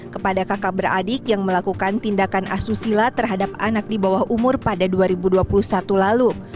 kepada kakak beradik yang melakukan tindakan asusila terhadap anak di bawah umur pada dua ribu dua puluh satu lalu